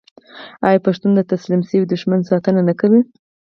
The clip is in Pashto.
آیا پښتون د تسلیم شوي دښمن ساتنه نه کوي؟